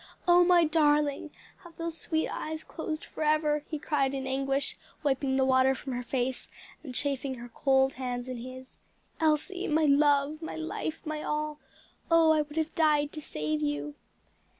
"Oh, my darling, have those sweet eyes closed forever?" he cried in anguish, wiping the water from her face, and chafing her cold hands in his. "Elsie my love, my life, my all! oh! I would have died to save you!"